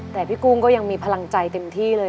แต่พี่กุ้งก็ยังมีพลังใจเต็มที่เลย